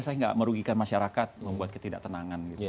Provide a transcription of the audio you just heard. saya nggak merugikan masyarakat membuat ketidak tenangan